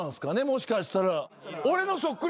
もしかしたら。